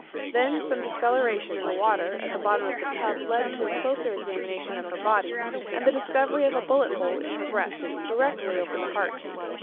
Then some discoloration in the water at the bottom of the tub led to a closer examination of her body, and the discovery of a bullet hole in her breast directly over the heart.